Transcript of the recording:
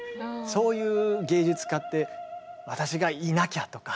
そういう芸術家って私がいなきゃとか思わせたりね。